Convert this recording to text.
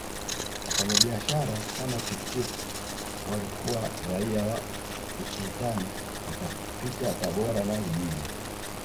Wafanyabiashara kama Tippu Tip waliokuwa raia wa Usultani wakapita Tabora na Ujiji